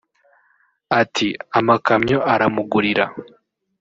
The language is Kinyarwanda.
Ati”Amakamyo aramugurira